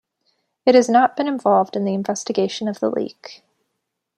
It has not been involved in the investigation of the leak.